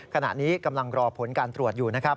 ตอนนี้กำลังรอผลการตรวจอยู่